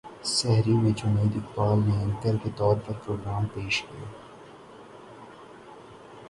سحری میں جنید اقبال نے اینکر کے طور پر پروگرام پیش کیا